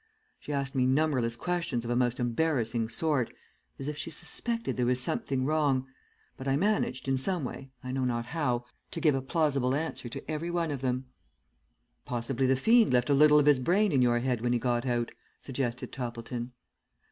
She asked me numberless questions of a most embarrassing sort, as if she suspected there was something wrong, but I managed in some way, I know not how, to give a plausible answer to every one of them." "Possibly the fiend left a little of his brain in your head when he got out," suggested Toppleton.